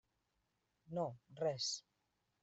No, res.